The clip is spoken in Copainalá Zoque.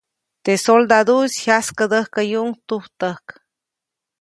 Teʼ soladuʼis jyaskädäjkäyuʼuŋ tujtäjk.